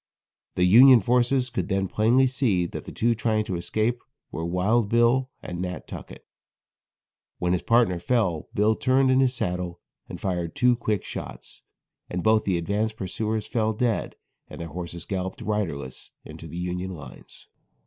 The Union forces could then plainly see that the two trying to escape were Wild Bill and Nat. Tuckett. When his partner fell, Bill turned in his saddle and fired two quick shots, and both the advanced pursuers fell dead and their horses galloped riderless into the Union lines.